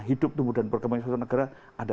hidup tumbuh dan berkembang di suatu negara ada